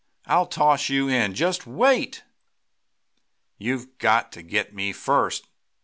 "I'll toss you in! Just wait!" "You've got to get me first!"